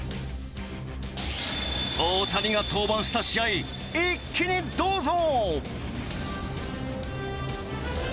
大谷が登板した試合一気にどうぞ！